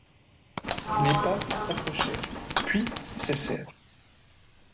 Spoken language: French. Les pas s’approchèrent, puis cessèrent.